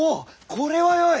これはよい。